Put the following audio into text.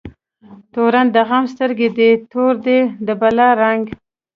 توری د غم سترګی دي، تور دی د بلا رنګ